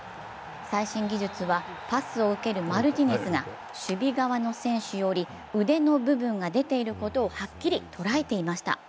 最新技術はパスを受けるマルティネスが守備側の選手より腕の部分が出ていることをはっきり捉えていました。